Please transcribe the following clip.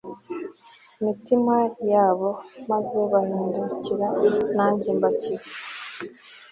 mitima yabo maze bahindukire nanjye mbakize